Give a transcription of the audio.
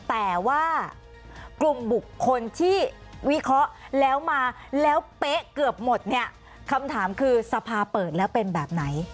แต่ว่ากลุ่มบุคคลที่วิเคราะห์แล้วมาแล้วเป๊ะเกือบหมดเนี่ยคำถามคือสภาเปิดแล้วเป็นแบบไหน